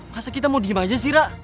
masa kita mau diem aja sih rak